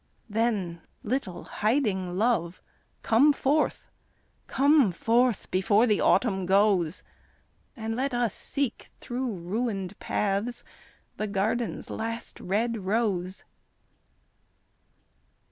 Then little hiding Love, come forth, Come forth before the autumn goes, And let us seek thro' ruined paths The garden's last red rose.